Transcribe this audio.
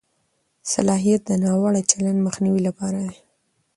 صلاحیت د ناوړه چلند مخنیوي لپاره دی.